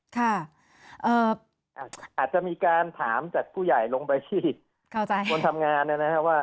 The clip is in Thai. ค่ะเอ่ออาจจะมีการถามจากผู้ใหญ่ลงไปเข้าใจคนทำงานเนี้ยนะฮะว่า